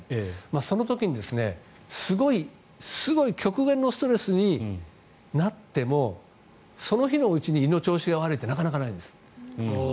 その時にすごい極限のストレスになってもその日のうちに胃の調子が悪いってなかなかないです。